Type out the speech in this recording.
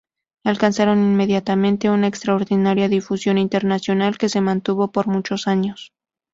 Alcanzaron inmediatamente una extraordinaria difusión internacional que se mantuvo por muchos años.